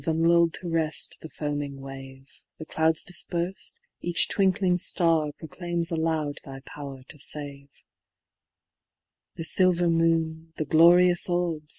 And luU'd to red the foaming wave | The clouds dii'pers'd, each twinkling ftar Proclaims aloud thy power tofave* The filler moon^ the glorious orbs.